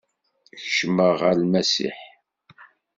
Kecmeɣ ɣer Lmasiḥ.